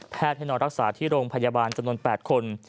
ให้นอนรักษาที่โรงพยาบาลจำนวน๘คน